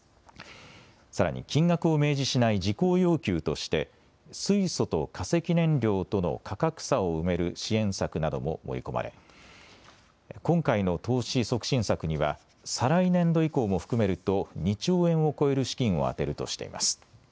さらに金額を明示しない事項要求として水素と化石燃料との価格差を埋める支援策なども盛り込まれ、今回の投資促進策には再来年度以降も含めると２兆円を超える資金を充てるとしています。